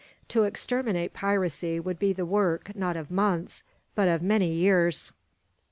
To exterminate piracy would be the work, not of months, but of many years.